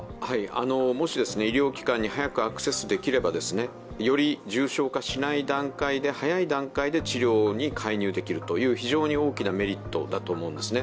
もし医療機関に早くアクセスできれば、より重症化しない段階で、早い段階で治療に介入できるという非常に大きなメリットだと思うんですね。